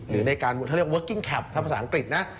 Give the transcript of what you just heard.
หรือในการเวิร์กกิ้งแคปภาษาอังกฤษนะ